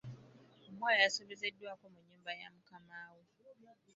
Omuwala yasobezeddwako mu nnyumba ya mukama we.